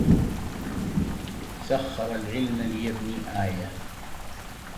سخر العلم ليبني آية